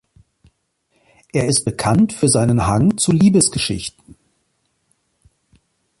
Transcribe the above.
Er ist bekannt für seinen Hang zu Liebesgeschichten.